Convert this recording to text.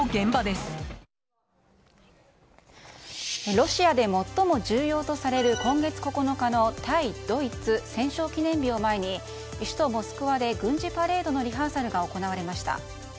ロシアで最も重要とされる今月９日の対ドイツ戦勝記念日を前に首都モスクワで軍事パレードのリハーサルが行われました。